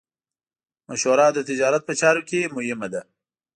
مشوره د تجارت په چارو کې مهمه ده.